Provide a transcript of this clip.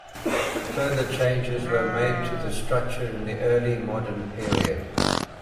Further changes were made to the structure in the early modern period.